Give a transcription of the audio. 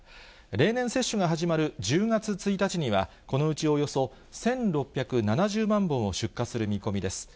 例年、接種が始まる１０月１日には、このうちおよそ１６７０万本を出荷する見込みです。